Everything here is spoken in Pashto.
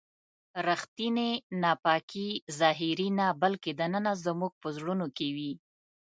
ریښتینې ناپاکي ظاهري نه بلکې دننه زموږ په زړونو کې وي.